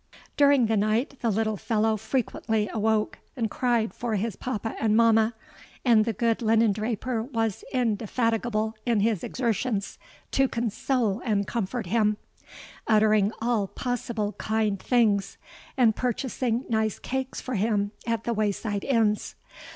"During the night, the little fellow frequently awoke, and cried for his papa and mamma; and the good linen draper was indefatigable in his exertions to console and comfort him—uttering all possible kind things, and purchasing nice cakes for him at the way side inns.